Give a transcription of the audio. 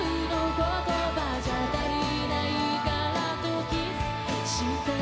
「言葉じゃ足りないからとキスして」